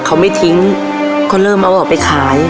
เขาไม่ทิ้งก็เริ่มเอาออกไปขาย